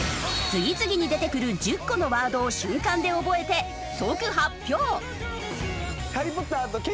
次々に出てくる１０個のワードを瞬間で覚えて即発表。